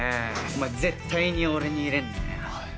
お前絶対に俺に入れんなよ。